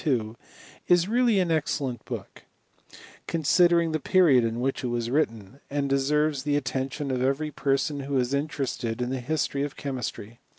— is really an ex ^ cellent book, considering the period in which it was written, and deserves the attention of every person who is interested in the history of chemistry.